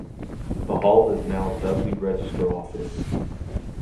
The hall is now Dudley register office.